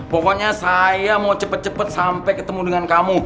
pokoknya saya mau cepet cepet sampai ketemu dengan kamu